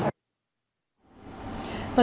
cảnh sát cơ động